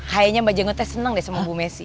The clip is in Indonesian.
kayanya mba jengot teh seneng deh sama bu messi